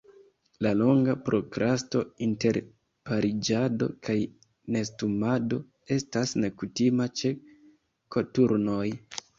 La longa prokrasto inter pariĝado kaj nestumado estas nekutima ĉe koturnoj.